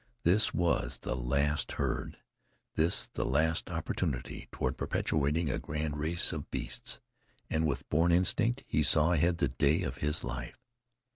This was the last herd, this the last opportunity toward perpetuating a grand race of beasts. And with born instinct he saw ahead the day of his life.